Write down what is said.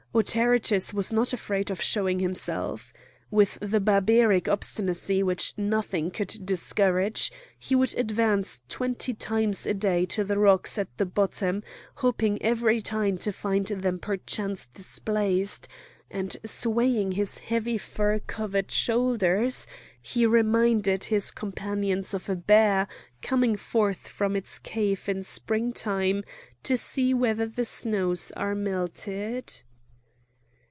Autaritus was not afraid of showing himself. With the Barbaric obstinacy which nothing could discourage, he would advance twenty times a day to the rocks at the bottom, hoping every time to find them perchance displaced; and swaying his heavy fur covered shoulders, he reminded his companions of a bear coming forth from its cave in springtime to see whether the snows are melted.